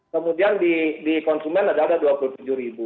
kemudian di konsumen adalah rp dua puluh tujuh